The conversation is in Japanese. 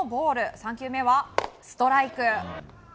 ３球目はストライク。